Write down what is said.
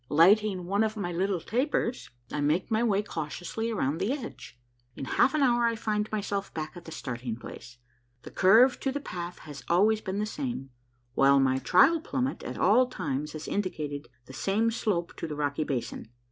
Lighting one of my little tapers, I make my way cautiously around the edge. In half an hour I find myself back at the starting place. The curve to the path has been always the same, while my trial plummet at all times has indicated the same slope to the rocky basin.